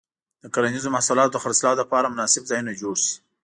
د کرنیزو محصولاتو د خرڅلاو لپاره مناسب ځایونه جوړ شي.